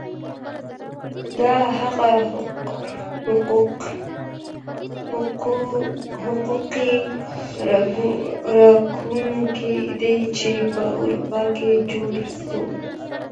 دا هغه حقوقي رکنونه دي چي په اروپا کي جوړ سول.